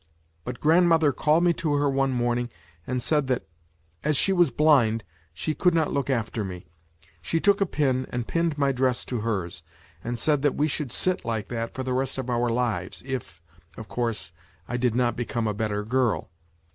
But grandmother called me to her one morning and said that as she was blind she could not look after me ; she took a pin and pinned my dress to hers, and said that we should sit like that for the rest of our lives if, of course, I did not become a better girl.